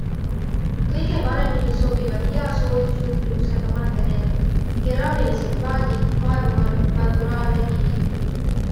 Kõige paremini sobivad hea soojusjuhtivusega materjalid - keraamilised plaadid, marmor, naturaalne kivi.